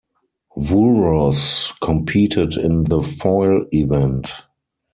Vouros competed in the foil event.